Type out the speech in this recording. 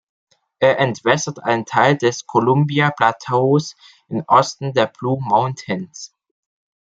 Er entwässert einen Teil des Columbia Plateaus im Osten der Blue Mountains.